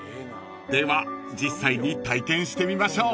［では実際に体験してみましょう］